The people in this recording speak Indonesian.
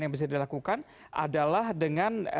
yang bisa dilakukan adalah dengan